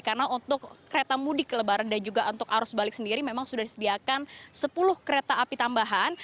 karena untuk kereta mudik lebaran dan juga untuk arus balik sendiri memang sudah disediakan sepuluh kereta api tambahan